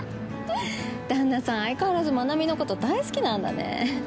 旦那さん、相変わらず愛未のこと大好きなんだね。